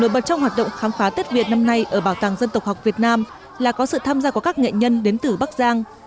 bảo tàng dân tộc học việt nam là có sự tham gia của các nghệ nhân đến từ bắc giang